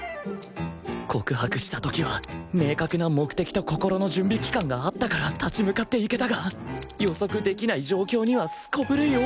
告白した時は明確な目的と心の準備期間があったから立ち向かっていけたが予測できない状況にはすこぶる弱い！